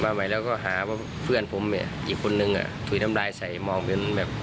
มาใหม่แล้วก็หาเพื่อนผมอีกคนนึงฐุรีน้ำดายใส่มองบึง